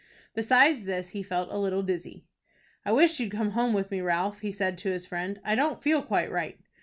Besides this he felt a little dizzy. "I wish you'd come home with me, Ralph," he said to his friend. "I don't feel quite right."